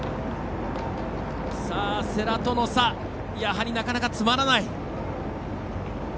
世羅との差、やはりなかなか詰まらない。